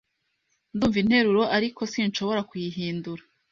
Ndumva interuro, ariko sinshobora kuyihindura.